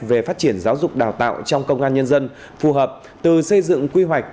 về phát triển giáo dục đào tạo trong công an nhân dân phù hợp từ xây dựng quy hoạch